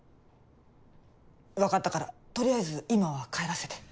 分かったから取りあえず今は帰らせて。